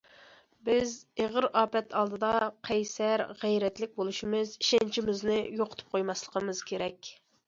بىز ئېغىر ئاپەت ئالدىدا قەيسەر، غەيرەتلىك بولۇشىمىز، ئىشەنچىمىزنى يوقىتىپ قويماسلىقىمىز كېرەك.